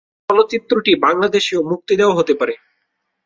চলচ্চিত্রটি বাংলাদেশেও মুক্তি দেয়া হতে পারে।